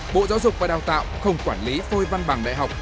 bộ giáo dục và đào tạo không quản lý phôi văn bằng đại học